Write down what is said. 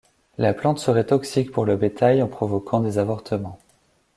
La plante serait toxique pour le bétail en provoquant des avortements.